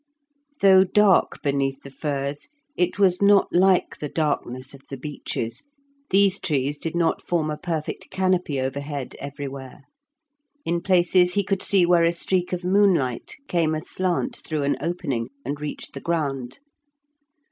Though dark beneath the firs, it was not like the darkness of the beeches; these trees did not form a perfect canopy overhead everywhere. In places he could see where a streak of moonlight came aslant through an opening and reached the ground.